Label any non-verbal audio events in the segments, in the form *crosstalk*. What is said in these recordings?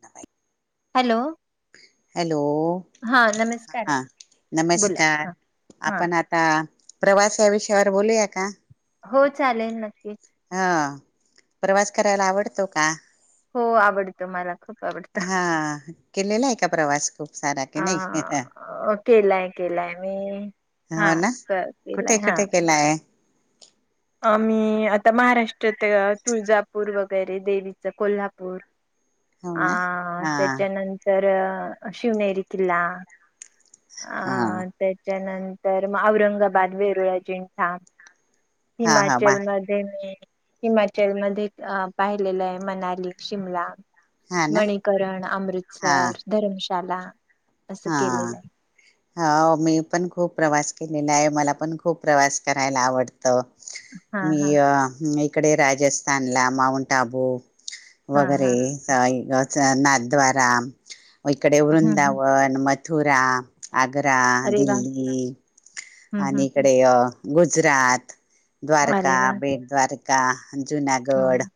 ना का आहे *unintelligible* हॅलो हॅलो हा नमस्कार हा बोला नमस्कार हा हा आपण आता प्रवास या विषयावर बोलूया का हो चालेल नक्कीच हा प्रवास करायला आवडतो हो आवडतो मला खूप आवडत हा केलेला आहे का प्रवास खूप सारा की नाही अ केलाय केलाय मी हा हो ना केलाय कुठे हा कुठे केलाय आम्ही आता महाराष्ट्रात तुळजापूर वगैरे देवीच कोल्हापूर हो ना ह हा त्याच्यानंतर शिवनेरी किल्ला हा ह तेच्या नंतर मग औरंगाबाद वेरळ जिंठाम हा हा वा हिमाचल मध्ये मी हिमाचलमध्ये अ पाहिलेलं आहे मनाली शिमला हा ना माणिकरण हा अमृतसर धर्मश चला असं हा केलेलं आहे हो मी पण खूप प्रवास केलेला आहे मला पण खूप प्रवास हा हा मी अ इकडे राजस्थानला माउंट आबू हा वगैरे हा नाथ द्वारा इकडे हम्म वृंदा हम्म पण मथुरा आगरा अरे वा दिल्ली हम्म आणि हम्म हम्म इकडे अ गुजरात अरे द्वारका वा बी द्वारका का जुनागढ हम्म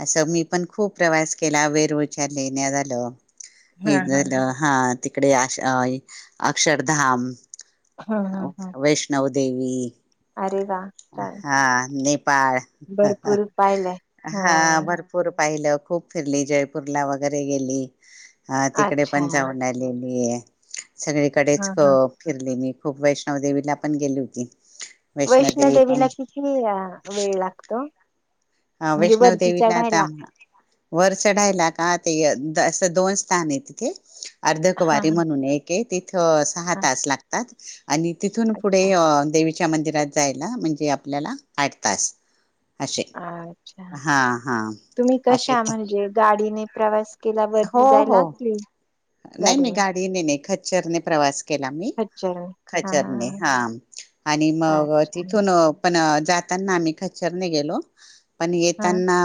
असं मी पण खूप प्रवास केला वेरवेळच्याार िहिण्यात आलं इ हा तिकडे अ अक्षरधाम हा हा हा वैष्णव देवी अरे वा छान हा छान नेपाळ भरपूर पाहिलंय हा भरपूर पाहिलं खूप फिरली जयपूरला वगैरे गेली हा तिकडे अच्छा पण वड आले म सगळीकडेच हा क हा फिरली मी खूप वैष्णवद देवीला पण गेली होती वैष्णोदेवी पण वैष्णोदेवीला किती वेळ लागतो म्हणजे वरती नवदेवीला आता चढायला आम्हा वर चढायला का असं दोन स्थान आहे तिथे अर्धक हा वारी हा म्हणून एकके त तथ सहा हा तास लागतात ह आणि तिथून पुढे अच्छा देवी मंदात जाय म्हणे आपल्या आठ त अच्छा तुम्ही असे कशा म्हणजे गाडीने प्रवास के हो हो नाही मी गाडीने गाडी न खच चर प्रवास ख म खच्चरने हा अच्छा तथून पण जाताना आम्ही खचरने गेलो पण हा येताना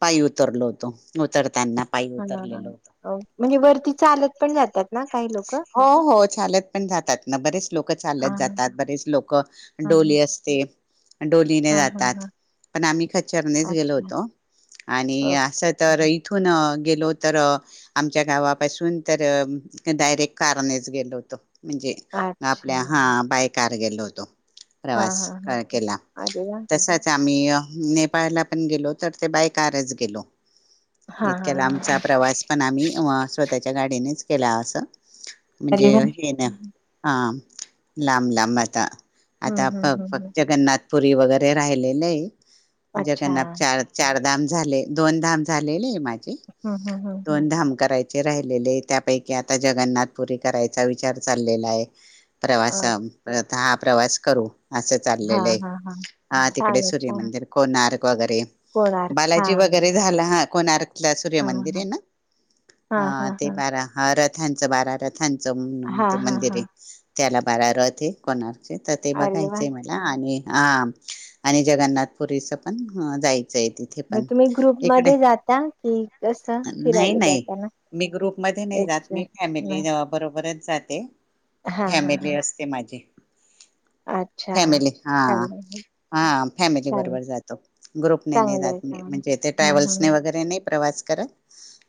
पाय उतरलो होतो उतरताना पाय हा हा. अ, म्हणजे वरती चालत पण जातात ना काही लोक ह हो हो चालत पण जातात ना बरेच लोक चालत जातात बरेच लोक ह डोली ह असते डोलीने हा हा हा जातात हा. पण आम्ही खच्चरनेच गेलो अच्छा होतो आणि असं तर ओके इथून गेलो हो तर आमच्या गावापासून तर डायरेक्ट कारनेच गेलो होतो म्हणजे अच्छा आपल्या हा बायक कार गेलो होतो हा प्रवास हा ह केला अरे वा तसच आम्ही नेपाळला पण गेलो तर ते बायकारच गेलो हा हा हा हा बस पण आम्ही त्याच्या गाडीनेच केला असं अरे म्हणजे वा हे ना हम्म हा लांब लांब आता आता हम्म फक्त हम्म जगन्नाथ पुरी वगैरे राहिलेलय अच्छा जगन्नाथ चार चार धाम झाले दोन धाम झालेलय माझे हम्म हम्म हम्म हम्म जे राहिलेले त्या पैकी आता जगन्नाथ पुरी करायचा आता विचार चाललेलाय हम् प्रवासा मूळ आता हा प्रवास करू असं हा चाललेलं आहे हा हा अरे वाह! हं, हं, हं, हं, हं. अच्छा. हं, हं, हं, हं. अ, हां, हां, हां. हा तिकडे छान आहे, छान सूर्यमंदिर कोणार्क बघरे कोणार्क हा बालाजी वगैरे झाला आहात कोणार्क ला हा सूर्यमंदिर आहे ना हा ते बारा हारत त्यांचं बारा रथ थांच म्हणून हा ते हा मंदिर आहे हा त्याला बारा रथ हे कोणार्क तर तिथे ते अरे वा बघायचंय मला आणि हा आणि जगन्नाथपुरीचं पण हं जायचं मग तुम्ही ग्रुपमध्ये जाता की? नाही नाही मी ग्रुप मध्ये नाही जात. एकच मी फॅमिली नाही बरोबर बरच जाते. हां, हां, फॅमिली हां. असते माझी. अच्छा. फॅमिली हा चांगलं आहे. हा फॅमिली छान. बरोबर जातो. ग्रुप ने नाही चांगलं जात आहे, मि चांगलं आहे. म्हणजे ते हं, ट्रॅव्हल्स हं. वगैरे नाही. प्रवास करा.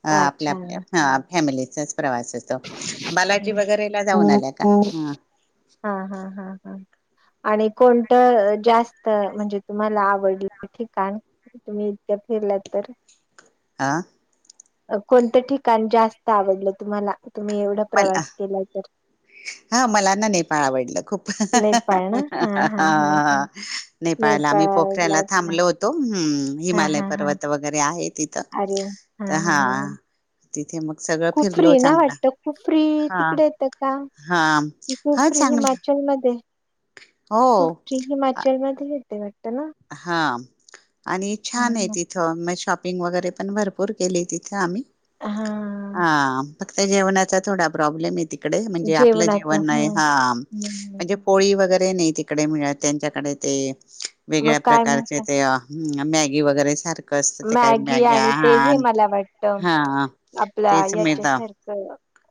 अ आपल्या अच्छा. आपल्या. फॅमिलीचंच. प्रवास असतो. बालाजी हं. वगैरेला जाऊन आल्या का? ह हां, हां, हां, हां. आणि कोणतं जास्त म्हणजे तुम्हाला आवडलं ठिकाण? तुम्ही इतके फिरलात तर? आ? कोणतं ठिकाण जास्त आवडलं तुम्हाला? तुम्ही एवढा मला, प्रवास केला तर? हा मला ना नेपाळ आवडलं खूप नेपाळ ना? हां, हां, हां, हां. नेपाळ आम्ही आवडला. पोखऱ्याला अच्छा. थांबलो होतो हम्म. हां, हिमालय हां, हां. पर्वत वगैरे आहेत. तीत अरे वाह! तर हां. तिथे म खुप फ्री ना वाटतं? खुप फ्री हा तिकडे येत का हा खू हा फ्री चांगलं हिमाचल म ते. हो कुर्ची हिमाचल म तिथं गेलते वाट हा आणि हम्म छान आहे हम्म. तिथं. म शॉप शॉपिंग वगैरे पण भरपूर केली तिथे आम्ही. हा हा. फक्त जेवणाचा थोडा प्रॉब्लेम येत तिकडे म्हणजे आपलं जेवणाचं जेवण नाही हम्म हा. हम्म. म्हणजे पोळी वगैरे नाही त तडे मिळत त्यांच्याकडे ते. मग वेगळ्या काय प्रकारचे म्हणता ते ह मॅगी वगैरे सारख मॅगी आणि ते ह मला वाटत हा आपल्या तेच मिळत याच्यासारखं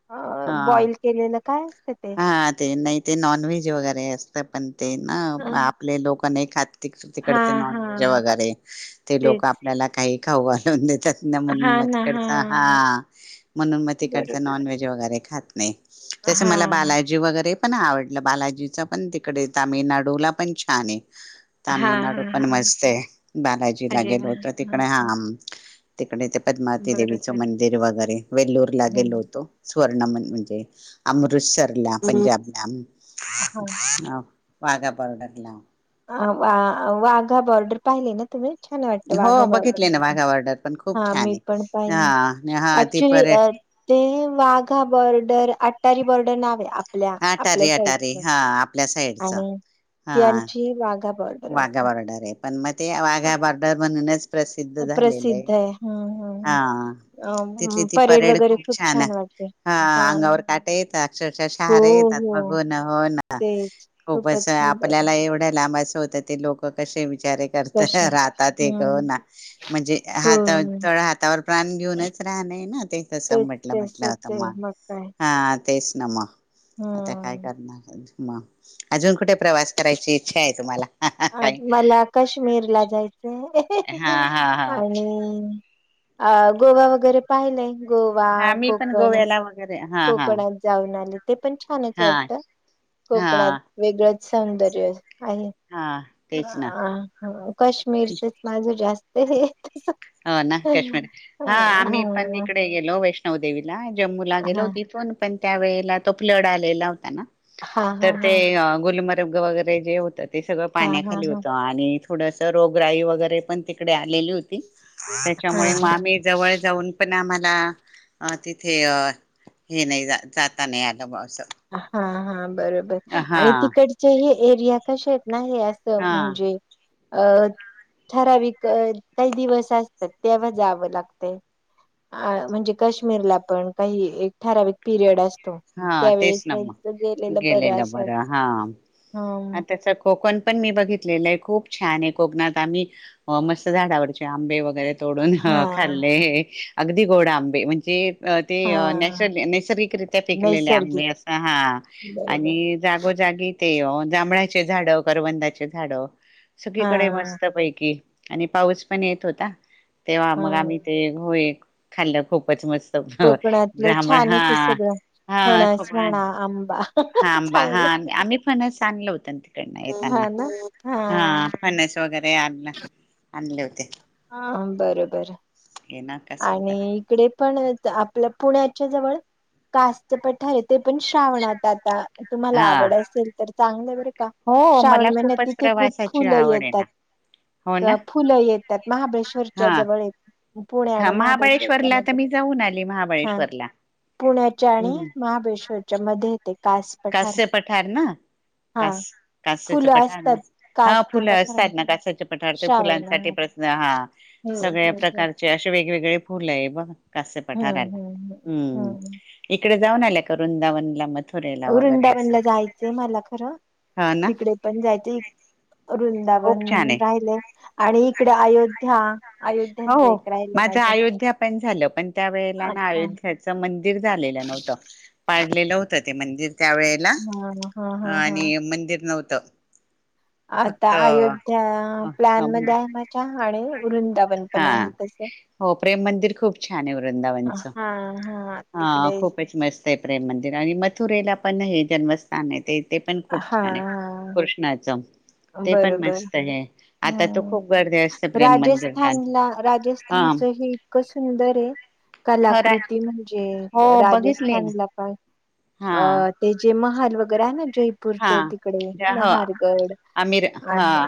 अ हा बॉइल केलेल. काय अस? हा ते नाही ते नॉन व्हेज वगैरे.. स पण.. ते ना अ आपले लोक.. नाही खात त तिकड हा हा नॉनव्हेज वगैरे ते लोक तेच आपल्याला काही.. खाऊ घालून देतात. हा म्हणून मग ना तिकडच हा म्हणून मग तिकडच बरोबर नॉनव्हेज वगैरे खात नाही. तसं मला हा बालाजी वगैरे.. पण आवडलं बालाजीच पण तिकडे तामिळनाडूला पण छान आहे. हा तामिळनाडू हा पण हा मस्त आहे बालाजीला गेलो होत तिकडे हा.. पद्मावती देवीचं बरोबर मंदिर वगैरे वेलूर ला गेलो हम्म होतो. स्वर्ण मंदिर म्हणजे अमृतसर पंजाबला. हा वाघा बॉर्डर ला. अ आ वा वाघा बॉर्डर पाहिले ना तुम्ही? छान वाटत हो वाघा बॉर्डर बघितले ना पण. वाघा बॉर्डर पण खूप हा छान मी पण आहे पाहिले हा हा ती ऍक्चुली पर्य अ ते वाघा बॉर्डर आठ टारी बॉर्डर नाव आहे आप आटारी अटारी हां आपल्या साईडच हां पागात वाघा बॉर्डर आहे पण मग ते हा, वाघा बॉर्डर म्हणूनच प्रसिद्ध झालेले प्रसिद्ध आहे. हम्म, हम्म, हम्म. हां तिथली ती परेड खूप छान अ हा अंगावर काटे येता अक्षरशः हो शहारे येतात हो बघून हो न. तेच खूपच सुंदर आपल्याला एवढ्या लांबच हो त ते लोकं कशे बि बिचारे करता कशी राहतात ते हो हम्म ना म्हणजे हात हम्म तळ हातावर प्राण घेऊनच राहणय ना ते कस तेच म्हटलं म्हटलं त तसच आहे मग काय आ तेच ना मगं. आता काय हम्म करणार? म अजून कुठे प्रवास करायची इच्छा आहे तुम्हाला? अ काही मला कश्मीर ला जायचंय हा हा हा आणि अ गोवा वगैरे पाहिलंय. गोवा हा मी पण कोकण गोव्याला वगैर कोकणात जाऊन आले. ते पण छानच हा वाटतं हा कोकणांत वेगळंच सौंदर्य. आहे हा तेच ना आ हं कश्मीरचच माझं जास्त *inaudible* हो ना काश्मीर हा हां, हा आम्ही पण इकडे गेलो वैष्णो णो देवीला. जम्मू ला हा गेलो तिथून पण त्या वेळेला तो प्लड आलेला होता ना. हा हा तर ते गुलमर्ग ग वगैरे जे होतात. ते सगळं हा हा पाण्याखाली होतं आणि थोडसं रोगराई वगैरे पण तिकडे आलेली होती. हा त्यांच्यामुळे म आम्ही जवळ जाऊन पण आम्हा हां अ तिथे अ हे नाही जाता नाही आलं बॉ अस. हा हा बरोबर आणि तिकडचे हे एरिया कशी आहे. नाही असं हा म्हणजे- अ ठराविक काही दिवस असतात तेव्हा जावं लागतय म्हणजे आ काश्मीरला पण काही एक कॉल ठराविक पिरियड असतोय. हा तेच ना म बरं गेलेलं अशा बर हा आ हम्म त कोकण पण मी बघितलेलय. खप छान आहे कोकणात आम्ही मस्त झाड आवरचे आंबे वैगेरे. तोडून हा खाल्ले अगदी गोड आंबे म्हणजे- ते हा नैस- नैसर्गिक शिकलेल्या नैसर्गिक आम्ही अस हा बरोबर आणि जागोजागी जांभळाचे झाड करवंदाचे झाडं. हा सगळीकडे मस्त पैकी. आणि पाऊस पण येत होता. तेव्हा हा मग आम्ही ते हो एक- खाल्ला खूपच मस्त. कोकणातलं जांभळ छान आहे हा ते सगळं. फणस वणा आंबा हांंबा हा चांगलं आम्ही फनस आणल होतं तिकडन येताना हा ना हा फनस वगैरे आणलं आणले होते ह बरोबर हे ना कस आणि वगैरे इकडे पण आपल्या पुण्याच्या जवळ कास्य पठार आहे ते पण श्रावणात आता तुम्हाला हा आवड असेल तर चांगल्या व हो श्रावण मला महिन्यात खूपच तिथे खूप प्रवासाची फुलं आवड आहे ना येतात हो ना फुलं येत त्यात महाबळेश्वरच्या हा जवळ पुण्या हा आणि महाबळेश्वरच्या महाबळेश्वरला तर मध्ये मी जाऊन आली हा महाबळेश्वरला पुण्याच्या आणि हम्म महाबळेश्वरच्या मध्ये ते कास कस्य पठार ना हा कास कस्याच फुलं पठार ना असतात हा कासचे फुलं पठार असतात ना कास्या पठार ते श्रावण फुलांसाठी महिन्यात. प्रसन हा हम्म सगळ्या हम्म हम्म. प्रकारचे असे वेगवेगळे फुल आहे बघ कस्य हम्म पठाराला हम्म हम्म इकडे जा करून जा म वृंदावनला जायचंय मला खरं हा ना तिकडे पण जायचं खूप वृंदावन छान आहे राहिले आणि इकडे अयोध्या हो अयोध्याच एक राहिलं माझ माझं अयोध्या पण झालं पण त्या वेळेला ना अच्छा अयोध्याचं मंदिर झालेलं नव्हतं पाडलेलं होतं ते मंदजि त्यावेेळेला हा हा हा हा आणि मंदिर नव्हतं आता फक्त अयोध्या अ, प्लॅन अम, मध्ये आहे माझ्या आणि वृंदावन पण हा आहे तस हो प्रेम मंदिर खूप छान आहे हा वृंदावनचं हा खूपच मस्त आहे प्रेम मंदिर आणि मथुरेला पण हे जन्मस्थान आहे ते पण खूप हा छान आहे कृष्णाचं ते पण बरोबर मस्त आहे. आता तर हम खूप गर्दी असते प्रेम मंदिरला राजस्थानला हा राजस्थानच हे इतकं सुंदर आहे खर आहे. कलाकृती म्हण जे हो बघितले ना राजस्थानला का हा अ ते जे म हल वगैरे ना ज हा ज ह आमिर हा आणि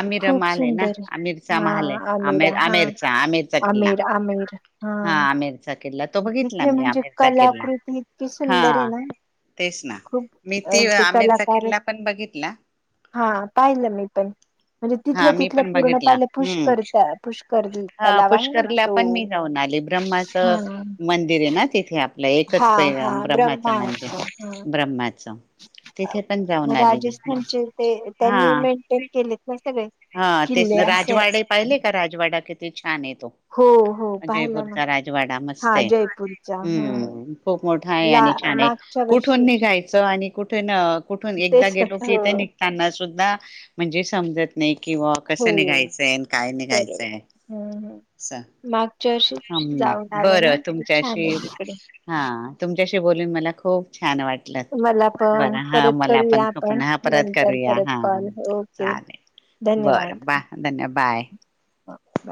आमिर खूप माल आहे ना सुंदर आमिरचा हा माहाल आहे आमे आमिरा हा आमेरचा आमिरचा किल्ला आमिर आमिर हा आमेरचा किल्ला तो बघितला तिथले मी म्हणजे आमिरचा किल्ला कलाकृती इतकी हा सुंदर आहे ना तेच ना खूप मी अ ती ते आमेरचा कलाकार किल्ला पण बघितला हा पाहिलं मी पण म्हणजे हा तिथल्या मी तिथल्या पण पूर्ण बघितला पाहिल्या हम्म पुष्करता पुष्कर हा तलाव आहे ना पुष्करला पण तो मी जाऊन आले ब्रह्माचं हा मंदिर आहे ना तिथे आपलं हा एकच प हा ब्रह्मा ब्रह्माचं मंदिर ह ब्रह्माचं तिथे पण जाऊन आली मी राजस्थानचे ते हा त्यांनी मेंटेन केलेत ना सगळे हा ते किल्ले असे राजवाडे पाहिले का राजवाडा किती छान आहेतेत हो हो पाहिला ना हा मस्तम्म जयपूरचा ह खूप मोठ हय ला आणि छान आहे मागच्या वर्षी कुठून निघायचं आणि कुठे कुठून एकदा तेच गेलो की हो ते निघताना म्हण नाही किंवा हो कसं निघायचंय काय बरोबर निघायचंय हम्म हम्म मागच्या वर्षी जाऊन आले बरं ना खूप छान तुमच्याशी आहे तिकडे हा त क बोलून मला खूप छान वाटलं. मला बरं पण हा परत मला करूया पण आपण पण हा परत नंतर करूया परत कॉल ओके बर धन्यवाद बा हो, धन्यद बाय बाय